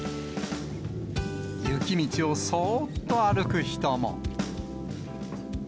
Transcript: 雪道をそーっと歩く人も。